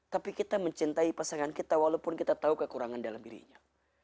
tapi kita mencintai pasangan kita walaupun kita tahu kekurangan dalam dirinya